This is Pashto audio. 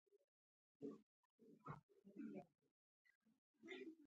ژبه د نوي نسلونو امید ده